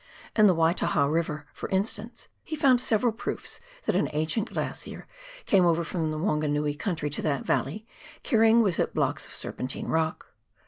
In the Waitaha River, for instance, he found several proofs that an ancient glacier came over from the Wanganui country to that valley, carrying with it blocks of serpentine rock.